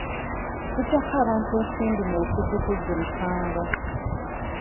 Okugyako abantu ensimbi mu lukujjukujju musango.